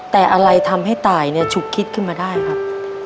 แต่อะไรทำให้ตายเนี่ยฉุกคิดขึ้นมาได้ครับ